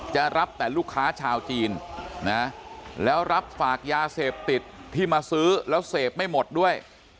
จะรับแต่ลูกค้าชาวจีนนะแล้วรับฝากยาเสพติดที่มาซื้อแล้วเสพไม่หมดด้วย